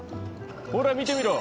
ほら見てみろ。